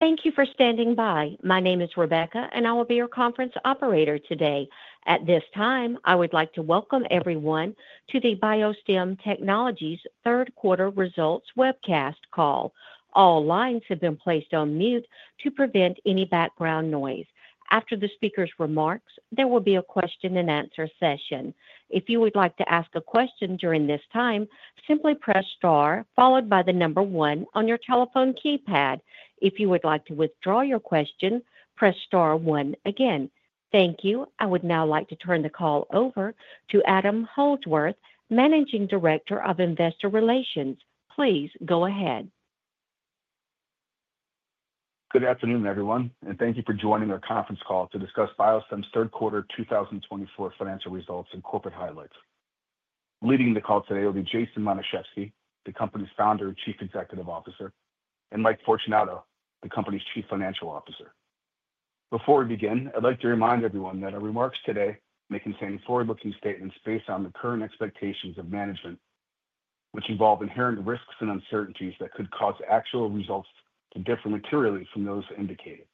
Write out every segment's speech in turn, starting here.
Thank you for standing by. My name is Rebecca, and I will be your conference operator today. At this time, I would like to welcome everyone to the BioStem Technologies' Third Quarter Results webcast call. All lines have been placed on mute to prevent any background noise. After the speaker's remarks, there will be a question-and-answer session. If you would like to ask a question during this time, simply press star followed by the number one on your telephone keypad. If you would like to withdraw your question, press star one again. Thank you. I would now like to turn the call over to Adam Holdsworth, Managing Director of Investor Relations. Please go ahead. Good afternoon, everyone, and thank you for joining our conference call to discuss BioStem Technologies third quarter 2024 financial results and corporate highlights. Leading the call today will be Jason Matuszewski, the company's Founder and Chief Executive Officer, and Mike Fortunato, the company's Chief Financial Officer. Before we begin, I'd like to remind everyone that our remarks today may contain forward-looking statements based on the current expectations of management, which involve inherent risks and uncertainties that could cause actual results to differ materially from those indicated.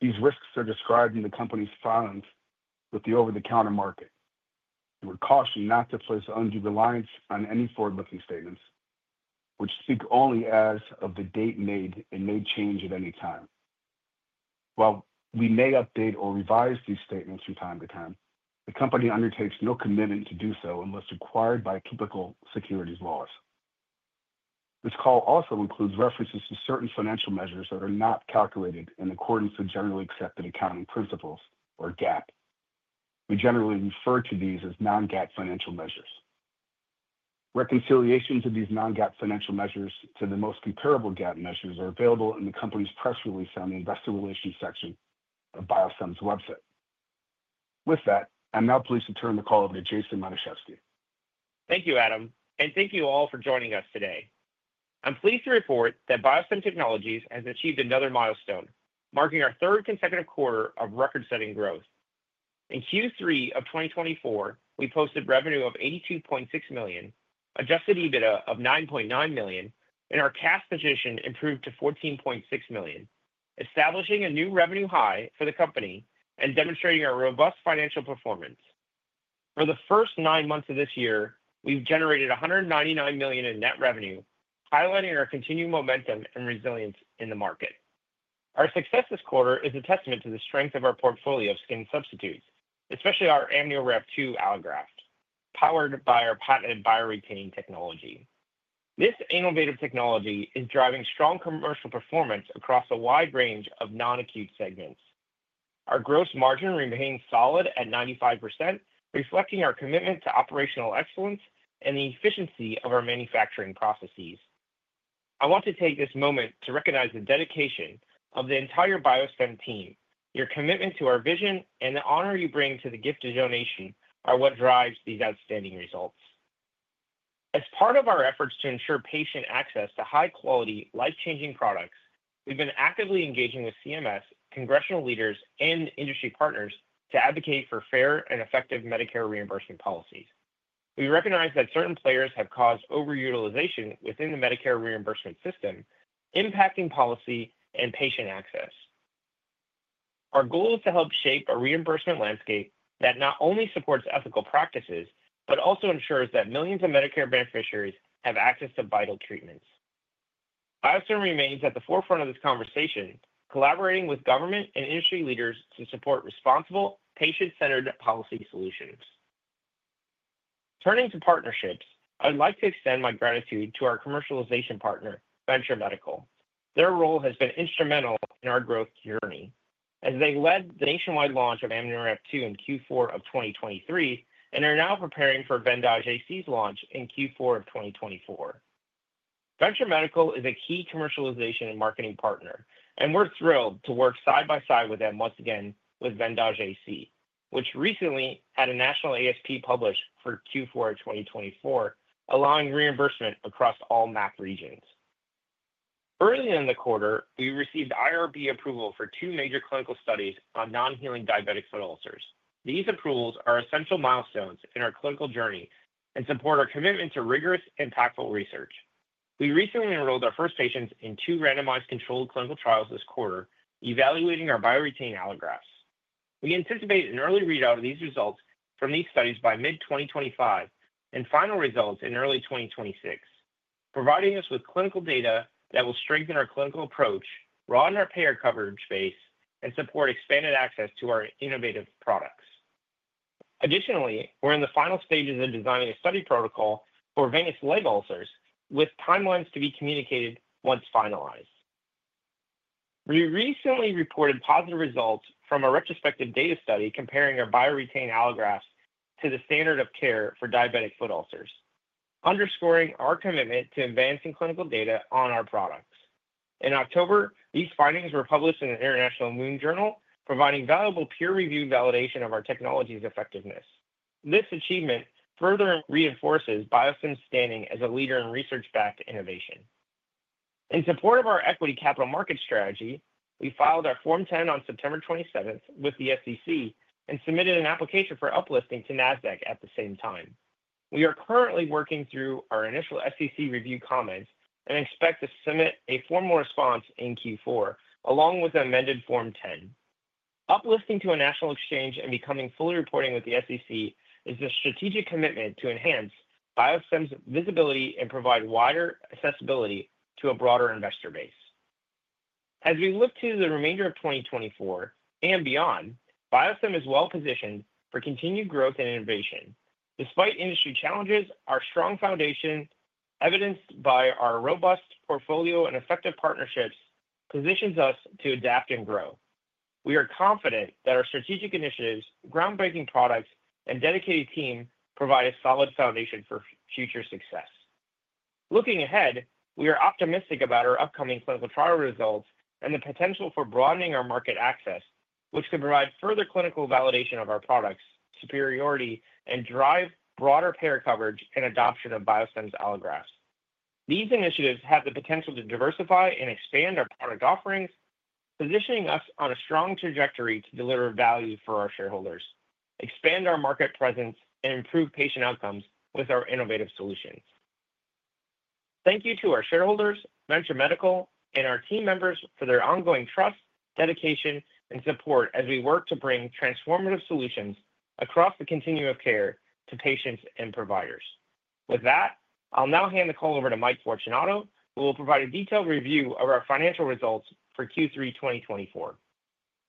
These risks are described in the company's filings with the Over-the-Counter Markets. We're cautioned not to place undue reliance on any forward-looking statements, which speak only as of the date made and may change at any time. While we may update or revise these statements from time to time, the company undertakes no commitment to do so unless required by typical securities laws. This call also includes references to certain financial measures that are not calculated in accordance with generally accepted accounting principles or GAAP. We generally refer to these as non-GAAP financial measures. Reconciliations of these non-GAAP financial measures to the most comparable GAAP measures are available in the company's press release on the investor relations section of BioStem's website. With that, I'm now pleased to turn the call over to Jason Matuszewski. Thank you, Adam, and thank you all for joining us today. I'm pleased to report that BioStem Technologies has achieved another milestone, marking our third consecutive quarter of record-setting growth. In Q3 of 2024, we posted revenue of $82.6 million, adjusted EBITDA of $9.9 million, and our cash position improved to $14.6 million, establishing a new revenue high for the company and demonstrating our robust financial performance. For the first nine months of this year, we've generated $199 million in net revenue, highlighting our continued momentum and resilience in the market. Our success this quarter is a testament to the strength of our portfolio of skin substitutes, especially our AmnioWrap2 allograft, powered by our patented BioREtain technology. This innovative technology is driving strong commercial performance across a wide range of non-acute segments. Our gross margin remains solid at 95%, reflecting our commitment to operational excellence and the efficiency of our manufacturing processes. I want to take this moment to recognize the dedication of the entire BioStem team. Your commitment to our vision and the honor you bring to the gifted donation are what drives these outstanding results. As part of our efforts to ensure patient access to high-quality, life-changing products, we've been actively engaging with CMS, congressional leaders, and industry partners to advocate for fair and effective Medicare reimbursement policies. We recognize that certain players have caused over-utilization within the Medicare reimbursement system, impacting policy and patient access. Our goal is to help shape a reimbursement landscape that not only supports ethical practices but also ensures that millions of Medicare beneficiaries have access to vital treatments. BioStem remains at the forefront of this conversation, collaborating with government and industry leaders to support responsible, patient-centered policy solutions. Turning to partnerships, I would like to extend my gratitude to our commercialization partner, Venture Medical. Their role has been instrumental in our growth journey, as they led the nationwide launch of AmnioWrap2 in Q4 of 2023 and are now preparing for Vendaje AC's launch in Q4 of 2024. Venture Medical is a key commercialization and marketing partner, and we're thrilled to work side by side with them once again with Vendaje AC, which recently had a national ASP published for Q4 of 2024, allowing reimbursement across all MAC regions. Earlier in the quarter, we received IRB Approval for two major clinical studies on non-healing diabetic foot ulcers. These approvals are essential milestones in our clinical journey and support our commitment to rigorous, impactful research. We recently enrolled our first patients in two randomized controlled clinical trials this quarter, evaluating our BioREtain allografts. We anticipate an early readout of these results from these studies by mid-2025 and final results in early 2026, providing us with clinical data that will strengthen our clinical approach, broaden our payer coverage base, and support expanded access to our innovative products. Additionally, we're in the final stages of designing a study protocol for venous leg ulcers, with timelines to be communicated once finalized. We recently reported positive results from a retrospective data study comparing our BioREtain allografts to the standard of care for diabetic foot ulcers, underscoring our commitment to advancing clinical data on our products. In October, these findings were published in the International Wound Journal, providing valuable peer-reviewed validation of our technology's effectiveness. This achievement further reinforces BioStem's standing as a leader in research-backed innovation. In support of our equity capital market strategy, we filed our Form 10 on September 27th with the SEC and submitted an application for uplisting to Nasdaq at the same time. We are currently working through our initial SEC review comments and expect to submit a formal response in Q4, along with amended Form 10. Uplisting to a national exchange and becoming fully reporting with the SEC is a strategic commitment to enhance BioStem's visibility and provide wider accessibility to a broader investor base. As we look to the remainder of 2024 and beyond, BioStem is well-positioned for continued growth and innovation. Despite industry challenges, our strong foundation, evidenced by our robust portfolio and effective partnerships, positions us to adapt and grow. We are confident that our strategic initiatives, groundbreaking products, and dedicated team provide a solid foundation for future success. Looking ahead, we are optimistic about our upcoming clinical trial results and the potential for broadening our market access, which could provide further clinical validation of our products, superiority, and drive broader payer coverage and adoption of BioStem's allografts. These initiatives have the potential to diversify and expand our product offerings, positioning us on a strong trajectory to deliver value for our shareholders, expand our market presence, and improve patient outcomes with our innovative solutions. Thank you to our shareholders, Venture Medical, and our team members for their ongoing trust, dedication, and support as we work to bring transformative solutions across the continuum of care to patients and providers. With that, I'll now hand the call over to Mike Fortunato, who will provide a detailed review of our financial results for Q3 2024.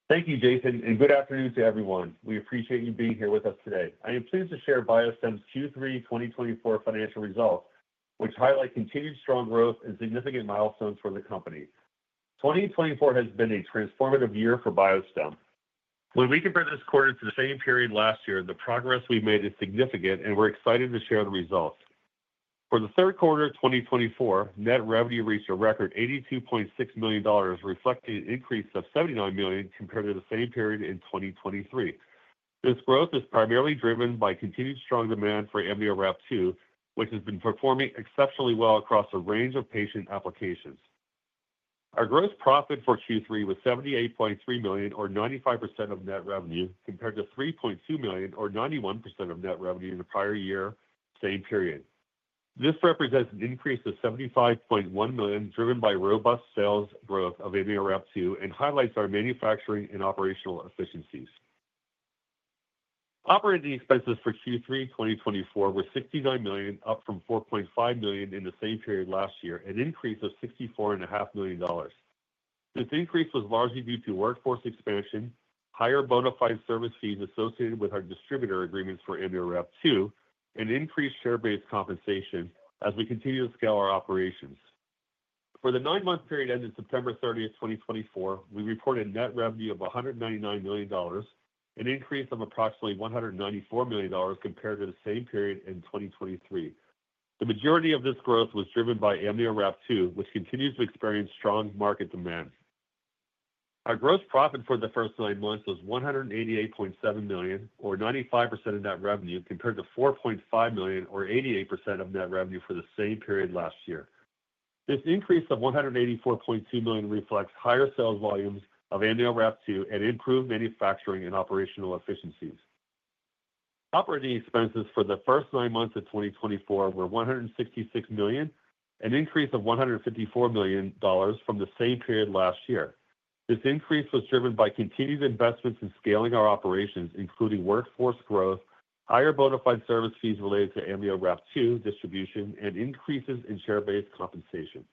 Thank you, Jason, and good afternoon to everyone. We appreciate you being here with us today. I am pleased to share BioStem's Q3 2024 financial results, which highlight continued strong growth and significant milestones for the company. 2024 has been a transformative year for BioStem. When we compare this quarter to the same period last year, the progress we've made is significant, and we're excited to share the results. For the third quarter of 2024, net revenue reached a record $82.6 million, reflecting an increase of $79 million compared to the same period in 2023. This growth is primarily driven by continued strong demand for AmnioWrap2, which has been performing exceptionally well across a range of patient applications. Our gross profit for Q3 was $78.3 million, or 95% of net revenue, compared to $3.2 million, or 91% of net revenue in the prior year, same period. This represents an increase of $75.1 million, driven by robust sales growth of AmnioWrap2, and highlights our manufacturing and operational efficiencies. Operating expenses for Q3 2024 were $69 million, up from $4.5 million in the same period last year, an increase of $64.5 million. This increase was largely due to workforce expansion, higher bona fide service fees associated with our distributor agreements for AmnioWrap2, and increased share-based compensation as we continue to scale our operations. For the nine-month period ended September 30th, 2024, we reported net revenue of $199 million, an increase of approximately $194 million compared to the same period in 2023. The majority of this growth was driven by AmnioWrap2, which continues to experience strong market demand. Our gross profit for the first nine months was $188.7 million, or 95% of net revenue, compared to $4.5 million, or 88% of net revenue for the same period last year. This increase of $184.2 million reflects higher sales volumes of AmnioWrap2 and improved manufacturing and operational efficiencies. Operating expenses for the first nine months of 2024 were $166 million, an increase of $154 million from the same period last year. This increase was driven by continued investments in scaling our operations, including workforce growth, higher bona fide service fees related to AmnioWrap2 distribution, and increases in share-based compensation.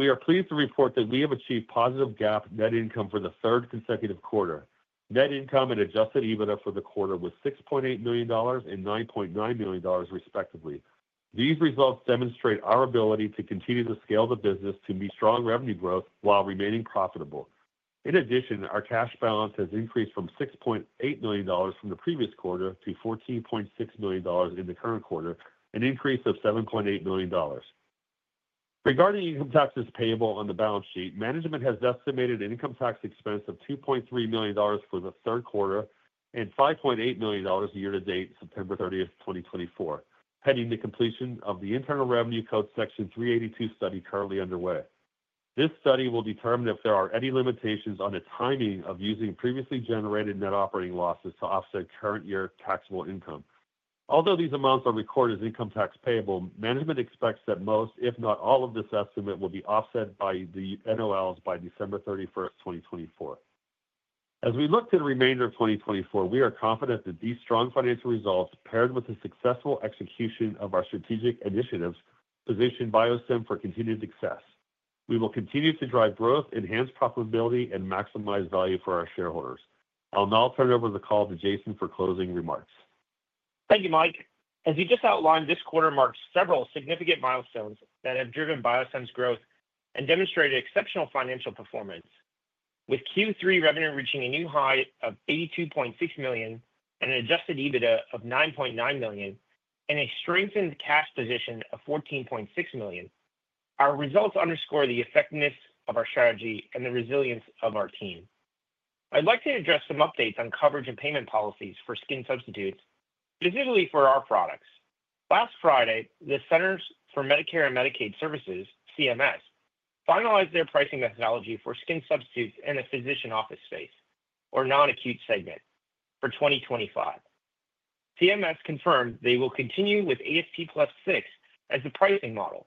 We are pleased to report that we have achieved positive GAAP net income for the third consecutive quarter. Net income and Adjusted EBITDA for the quarter was $6.8 million and $9.9 million, respectively. These results demonstrate our ability to continue to scale the business to meet strong revenue growth while remaining profitable. In addition, our cash balance has increased from $6.8 million from the previous quarter to $14.6 million in the current quarter, an increase of $7.8 million. Regarding income taxes payable on the balance sheet, management has estimated an income tax expense of $2.3 million for the third quarter and $5.8 million year-to-date September 30th, 2024, pending the completion of the Internal Revenue Code Section 382 study currently underway. This study will determine if there are any limitations on the timing of using previously generated net operating losses to offset current year taxable income. Although these amounts are recorded as income tax payable, management expects that most, if not all, of this estimate will be offset by the NOLs by December 31, 2024. As we look to the remainder of 2024, we are confident that these strong financial results, paired with the successful execution of our strategic initiatives, position BioStem for continued success. We will continue to drive growth, enhance profitability, and maximize value for our shareholders. I'll now turn it over to the call to Jason for closing remarks. Thank you, Mike. As you just outlined, this quarter marked several significant milestones that have driven BioStem's growth and demonstrated exceptional financial performance, with Q3 revenue reaching a new high of $82.6 million and an Adjusted EBITDA of $9.9 million and a strengthened cash position of $14.6 million. Our results underscore the effectiveness of our strategy and the resilience of our team. I'd like to address some updates on coverage and payment policies for skin substitutes, specifically for our products. Last Friday, the Centers for Medicare and Medicaid Services, CMS, finalized their pricing methodology for skin substitutes in the physician office space, or non-acute segment, for 2025. CMS confirmed they will continue with ASP plus 6% as the pricing model.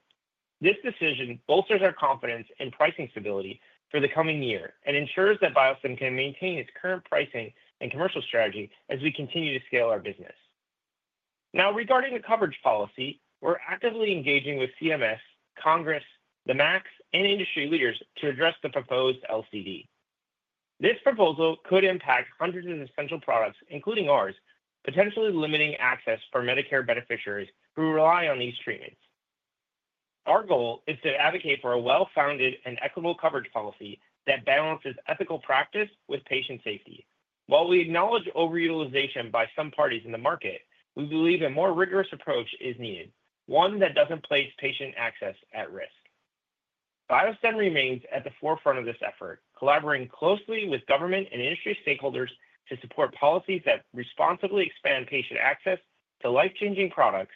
This decision bolsters our confidence in pricing stability for the coming year and ensures that BioStem can maintain its current pricing and commercial strategy as we continue to scale our business. Now, regarding the coverage policy, we're actively engaging with CMS, Congress, the MACs, and industry leaders to address the proposed LCD. This proposal could impact hundreds of essential products, including ours, potentially limiting access for Medicare beneficiaries who rely on these treatments. Our goal is to advocate for a well-founded and equitable coverage policy that balances ethical practice with patient safety. While we acknowledge over-utilization by some parties in the market, we believe a more rigorous approach is needed, one that doesn't place patient access at risk. BioStem remains at the forefront of this effort, collaborating closely with government and industry stakeholders to support policies that responsibly expand patient access to life-changing products.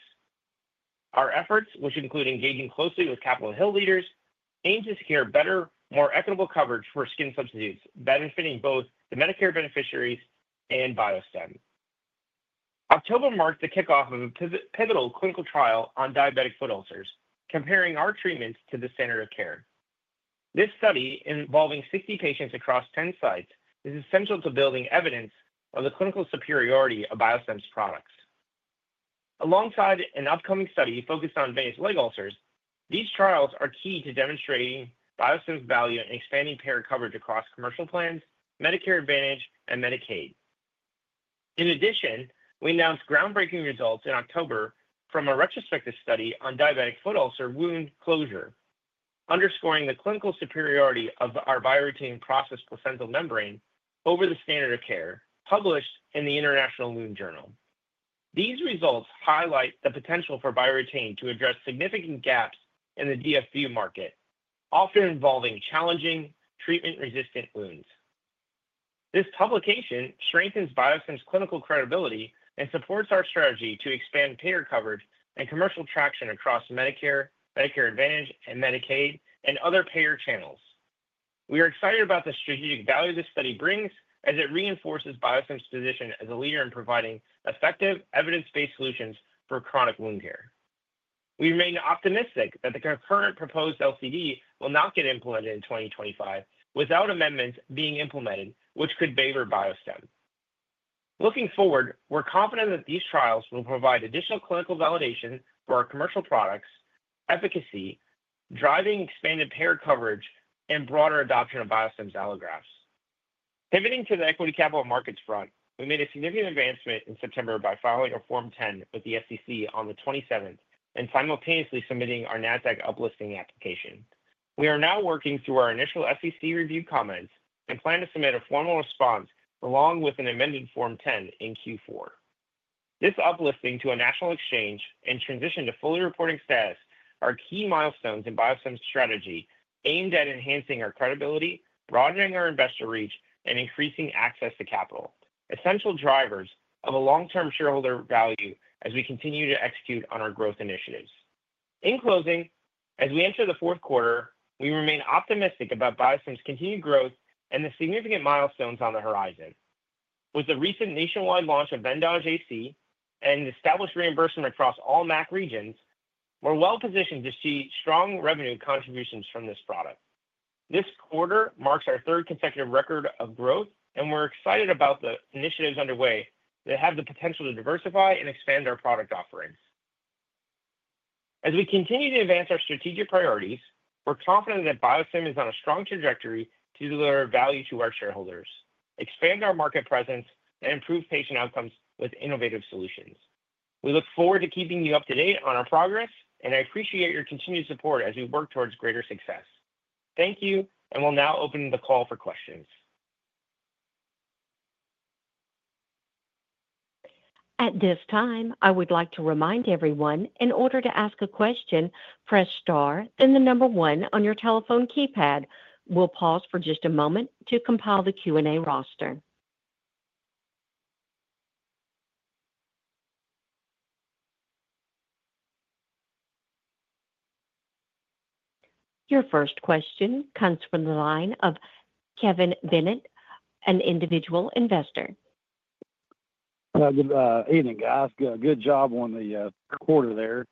Our efforts, which include engaging closely with Capitol Hill leaders, aim to secure better, more equitable coverage for skin substitutes, benefiting both the Medicare beneficiaries and BioStem. October marked the kickoff of a pivotal clinical trial on diabetic foot ulcers, comparing our treatments to the standard of care. This study, involving 60 patients across 10 sites, is essential to building evidence of the clinical superiority of BioStem's products. Alongside an upcoming study focused on venous leg ulcers, these trials are key to demonstrating BioStem's value in expanding payer coverage across commercial plans, Medicare Advantage, and Medicaid. In addition, we announced groundbreaking results in October from a retrospective study on diabetic foot ulcer wound closure, underscoring the clinical superiority of our BioREtain processed placental membrane over the standard of care, published in the International Wound Journal. These results highlight the potential for BioREtain to address significant gaps in the DFU market, often involving challenging treatment-resistant wounds. This publication strengthens BioStem's clinical credibility and supports our strategy to expand payer coverage and commercial traction across Medicare, Medicare Advantage, and Medicaid, and other payer channels. We are excited about the strategic value this study brings as it reinforces BioStem's position as a leader in providing effective, evidence-based solutions for chronic wound care. We remain optimistic that the current proposed LCD will not get implemented in 2025 without amendments being implemented, which could favor BioStem. Looking forward, we're confident that these trials will provide additional clinical validation for our commercial products, efficacy, driving expanded payer coverage, and broader adoption of BioStem's allografts. Pivoting to the equity capital markets front, we made a significant advancement in September by filing a Form 10 with the SEC on the 27th and simultaneously submitting our Nasdaq uplisting application. We are now working through our initial SEC review comments and plan to submit a formal response along with an amended Form 10 in Q4. This uplisting to a national exchange and transition to fully reporting status are key milestones in BioStem's strategy aimed at enhancing our credibility, broadening our investor reach, and increasing access to capital, essential drivers of a long-term shareholder value as we continue to execute on our growth initiatives. In closing, as we enter the fourth quarter, we remain optimistic about BioStem's continued growth and the significant milestones on the horizon. With the recent nationwide launch of Vendaje AC and established reimbursement across all MAC regions, we're well-positioned to see strong revenue contributions from this product. This quarter marks our third consecutive record of growth, and we're excited about the initiatives underway that have the potential to diversify and expand our product offerings. As we continue to advance our strategic priorities, we're confident that BioStem is on a strong trajectory to deliver value to our shareholders, expand our market presence, and improve patient outcomes with innovative solutions. We look forward to keeping you up to date on our progress, and I appreciate your continued support as we work towards greater success. Thank you, and we'll now open the call for questions. At this time, I would like to remind everyone, in order to ask a question, press star then the number one on your telephone keypad. We'll pause for just a moment to compile the Q&A roster. Your first question comes from the line of Kevin Bennett, an individual investor. Good evening, guys. Good job on the quarter there.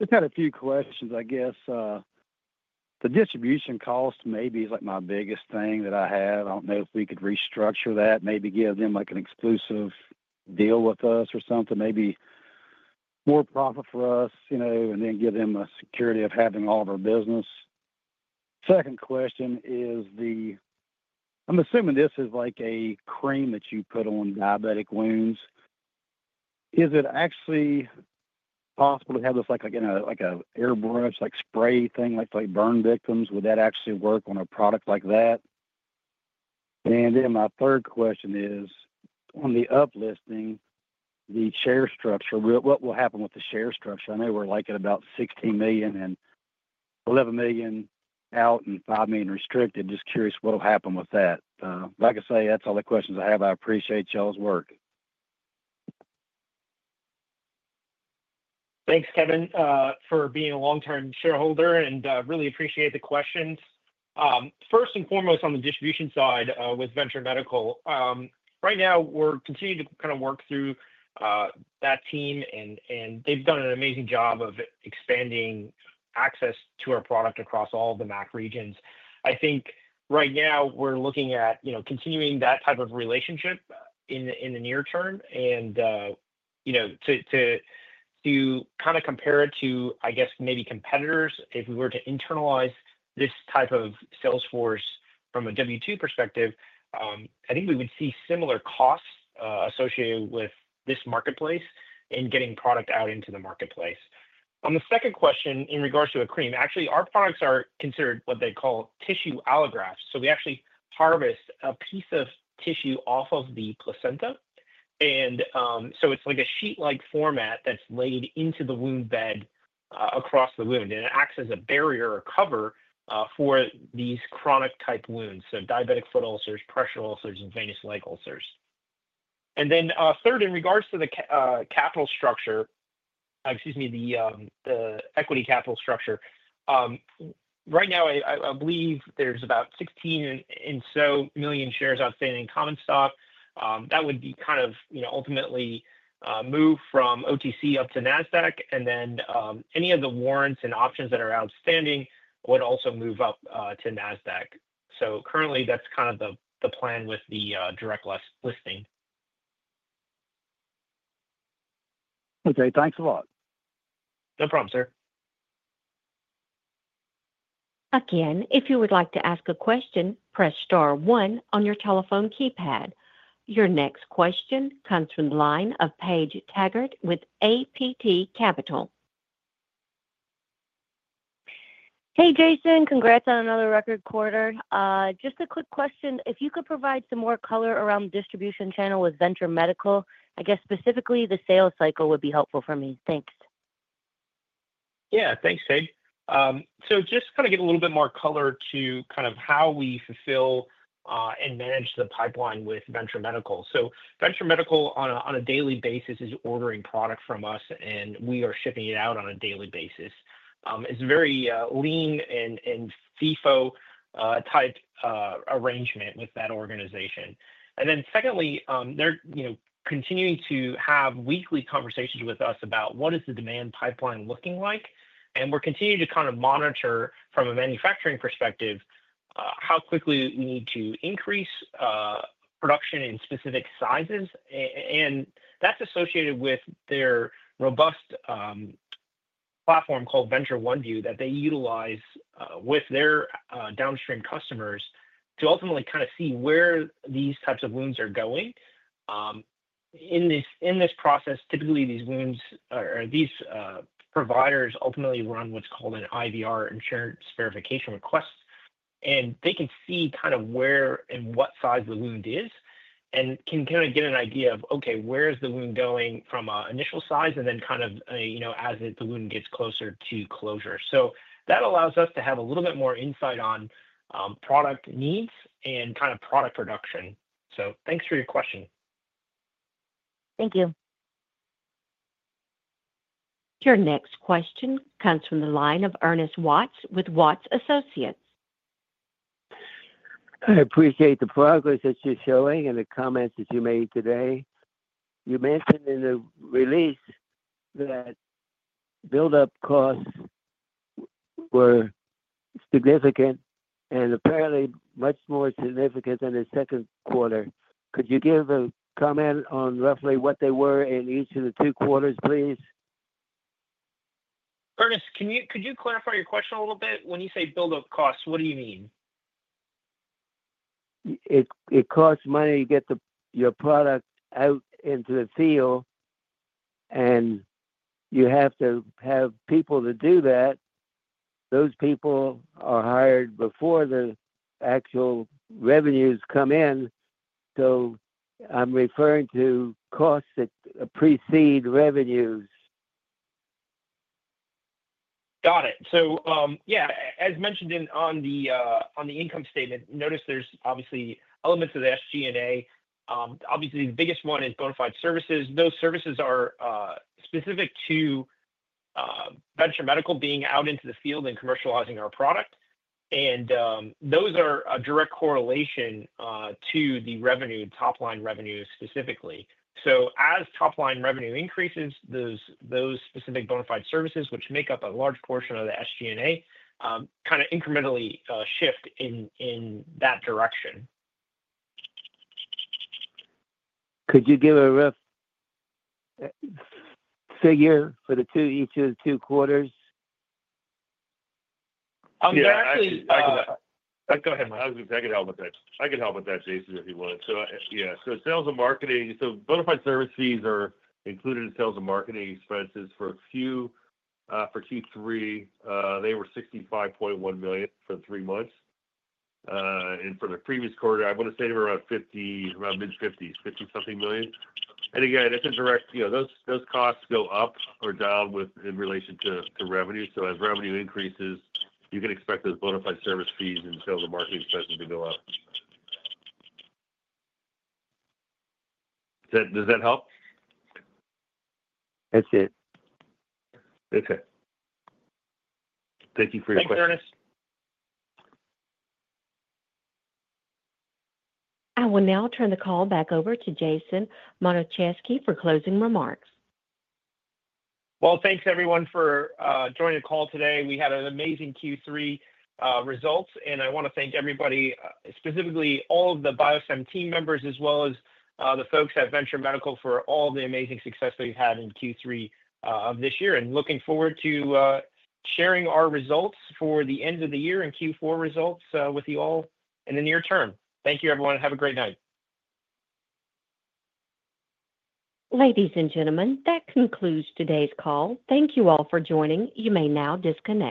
Just had a few questions, I guess. The distribution cost maybe is like my biggest thing that I have. I don't know if we could restructure that, maybe give them like an exclusive deal with us or something, maybe more profit for us, you know, and then give them a security of having all of our business. Second question is the, I'm assuming this is like a cream that you put on diabetic wounds. Is it actually possible to have this like an airbrush, like spray thing, like burn victims? Would that actually work on a product like that? And then my third question is, on the uplisting, the share structure, what will happen with the share structure? I know we're like at about $16 million and $11 million out and $5 million restricted. Just curious what will happen with that. Like I say, that's all the questions I have. I appreciate y'all's work. Thanks, Kevin, for being a long-term shareholder, and really appreciate the questions. First and foremost, on the distribution side with Venture Medical, right now we're continuing to kind of work through that team, and they've done an amazing job of expanding access to our product across all of the MAC regions. I think right now we're looking at continuing that type of relationship in the near term, and to kind of compare it to, I guess, maybe competitors, if we were to internalize this type of sales force from a W-2 perspective, I think we would see similar costs associated with this marketplace in getting product out into the marketplace. On the second question in regards to a cream, actually, our products are considered what they call tissue allografts. So we actually harvest a piece of tissue off of the placenta. It's like a sheet-like format that's laid into the wound bed across the wound, and it acts as a barrier or cover for these chronic-type wounds, so diabetic foot ulcers, pressure ulcers, and venous leg ulcers. Then third, in regards to the capital structure, excuse me, the equity capital structure, right now I believe there's about 16 or so million shares outstanding in common stock. That would be kind of ultimately move from OTC up to NASDAQ, and then any of the warrants and options that are outstanding would also move up to NASDAQ. Currently, that's kind of the plan with the direct listing. Okay, thanks a lot. No problem, sir. Again, if you would like to ask a question, press star one on your telephone keypad. Your next question comes from the line of Paige Taggart with APT Capital. Hey, Jason, congrats on another record quarter. Just a quick question, if you could provide some more color around the distribution channel with Venture Medical, I guess specifically the sales cycle would be helpful for me. Thanks. Yeah, thanks, Paige. So just kind of get a little bit more color to kind of how we fulfill and manage the pipeline with Venture Medical. So Venture Medical, on a daily basis, is ordering product from us, and we are shipping it out on a daily basis. It's a very lean and FIFO-type arrangement with that organization. And then secondly, they're continuing to have weekly conversations with us about what is the demand pipeline looking like. And we're continuing to kind of monitor, from a manufacturing perspective, how quickly we need to increase production in specific sizes. And that's associated with their robust platform called Venture OneView that they utilize with their downstream customers to ultimately kind of see where these types of wounds are going. In this process, typically these wounds or these providers ultimately run what's called an IVR, Insurance Verification Request, and they can see kind of where and what size the wound is and can kind of get an idea of, okay, where is the wound going from an initial size and then kind of as the wound gets closer to closure. So that allows us to have a little bit more insight on product needs and kind of product production. So thanks for your question. Thank you. Your next question comes from the line of Ernest Watts with Watts Associates. I appreciate the progress that you're showing and the comments that you made today. You mentioned in the release that buildup costs were significant and apparently much more significant than the second quarter. Could you give a comment on roughly what they were in each of the two quarters, please? Ernest, could you clarify your question a little bit? When you say buildup costs, what do you mean? It costs money to get your product out into the field, and you have to have people to do that. Those people are hired before the actual revenues come in. So I'm referring to costs that precede revenues. Got it. So yeah, as mentioned on the income statement, notice there's obviously elements of the SG&A. Obviously, the biggest one is bona fide services. Those services are specific to Venture Medical being out into the field and commercializing our product. And those are a direct correlation to the revenue, top-line revenue specifically. So as top-line revenue increases, those specific bona fide services, which make up a large portion of the SG&A, kind of incrementally shift in that direction. Could you give a rough figure for each of the two quarters? I can actually. Go ahead, Mike. I can help with that. I can help with that, Jason, if you want. So yeah, so sales and marketing, so bona fide services are included in sales and marketing expenses for Q3. They were $65.1 million for three months. And for the previous quarter, I want to say they were around 50, around mid-50s, 50-something million. And again, it's a direct, those costs go up or down in relation to revenue. So as revenue increases, you can expect those bona fide service fees and sales and marketing expenses to go up. Does that help? That's it. Okay. Thank you for your question. Thanks, Ernest. I will now turn the call back over to Jason Matuszewski for closing remarks. Well, thanks everyone for joining the call today. We had an amazing Q3 result, and I want to thank everybody, specifically all of the BioStem team members as well as the folks at Venture Medical for all the amazing success that we've had in Q3 of this year, and looking forward to sharing our results for the end of the year and Q4 results with you all in the near term. Thank you, everyone. Have a great night. Ladies and gentlemen, that concludes today's call. Thank you all for joining. You may now disconnect.